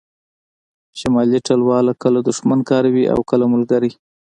شمالي ټلواله کله دوښمن کاروي او کله ملګری